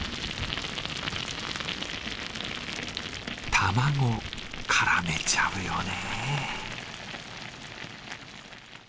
卵、絡めちゃうよね。